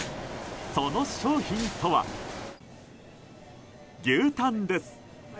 その商品とは、牛タンです。